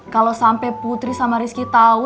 kalo sampe putri sama rizky tau